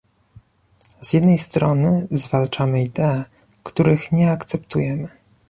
Z jednej strony, zwalczamy idee, których nie akceptujemy